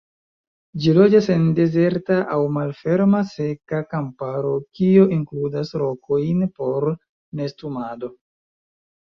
Ĝi loĝas en dezerta aŭ malferma seka kamparo kio inkludas rokojn por nestumado.